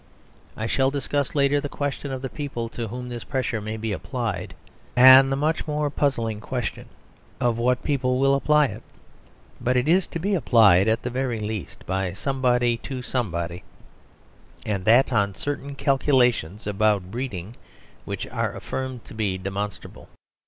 I shall discuss later the question of the people to whom this pressure may be applied; and the much more puzzling question of what people will apply it. But it is to be applied at the very least by somebody to somebody, and that on certain calculations about breeding which are affirmed to be demonstrable.